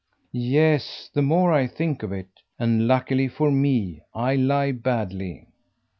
"Yes, the more I think of it. And luckily for ME. I lie badly."